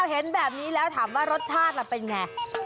เห็นแบบนี้แล้วถามว่ารสชาติล่ะเป็นไง